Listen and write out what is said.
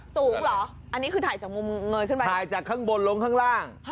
เหรออันนี้คือถ่ายจากมุมเงยขึ้นไปถ่ายจากข้างบนลงข้างล่าง